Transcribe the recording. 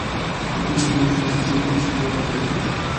পৃথিবীর কোনো ছবিতে দুটি সূর্য থাকবে না।